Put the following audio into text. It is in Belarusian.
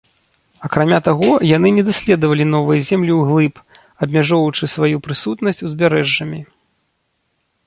Акрамя таго, яны не даследавалі новыя землі ўглыб, абмяжоўваючы сваю прысутнасць узбярэжжамі.